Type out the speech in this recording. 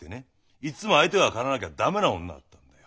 いつも相手が変わらなきゃ駄目な女だったんだよ。